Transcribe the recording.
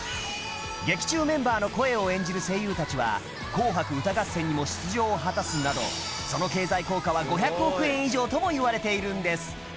劇中メンバーの声を演じる声優たちは紅白歌合戦にも出場を果たすなどその経済効果は５００億円以上ともいわれているんです